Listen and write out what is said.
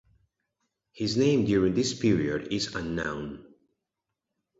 His name during this period is unknown.